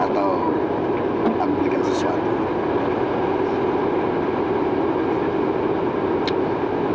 atau aku belikan sesuatu